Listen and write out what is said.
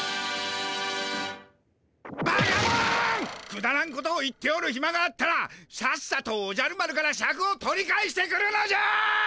くだらんことを言っておるひまがあったらさっさとおじゃる丸からシャクを取り返してくるのじゃ！